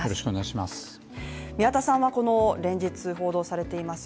宮田さんはこの連日報道されています